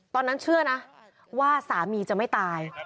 ตอนนั้นเชื่อนะว่าสามีจะไม่ตาย